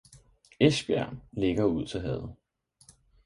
Esbjerg ligger ud til havet